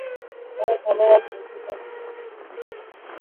তারা সবাই আজ বেসরকারী নাগরিক।